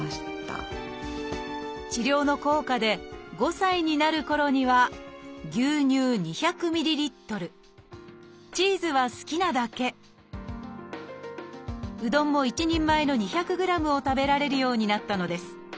治療の効果で５歳になるころには牛乳２００ｍＬチーズは好きなだけうどんも一人前の２００ｇを食べられるようになったのです。